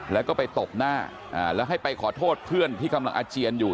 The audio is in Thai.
แล้วก็ไปตบหน้าแล้วให้ไปขอโทษเพื่อนที่กำลังอาเจียนอยู่